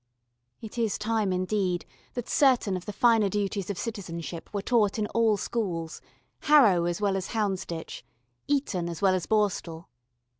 It is time, indeed, that certain of the finer duties of citizenship were taught in all schools, Harrow as well as Houndsditch, Eton as well as Borstal.